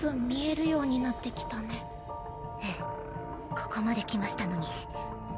ここまで来ましたのに。